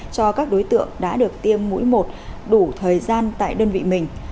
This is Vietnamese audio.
cho các đối tượng đã được tiêm mũi một đủ thời gian tại đơn vị mình